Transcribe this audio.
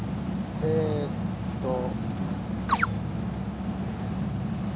えっと。